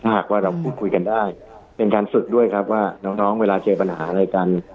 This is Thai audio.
หากว่าเราพูดคุยกันได้เป็นการฝึกด้วยครับว่าน้องเวลาเจอปัญหาอะไรกัน